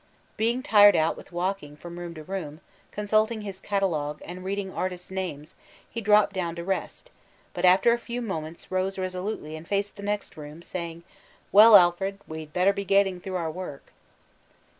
Being tired out with walk* ing from room to room, consulting his catalogue, and reading artists' names, he dropped down to rest; but after a few moments rose resolutely and faced the next room, saying, "Well, Alfred, we'd better be getting through our work."